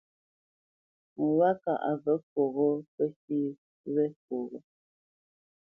Ŋo wâ kâʼ a və̌ fwoghó pə fî wé fwoghó.